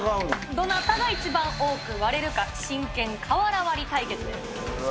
どなたが一番多く割れるか、真剣瓦割り対決です。